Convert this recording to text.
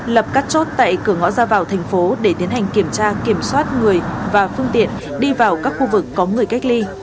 lập các chốt tại cửa ngõ ra vào thành phố để tiến hành kiểm tra kiểm soát người và phương tiện đi vào các khu vực có người cách ly